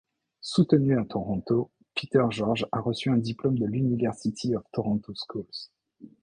Soutenu à Toronto, Peter George a reçu un diplôme de l'University of Toronto Schools.